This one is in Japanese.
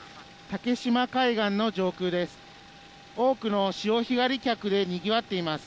竹島海岸の上空です。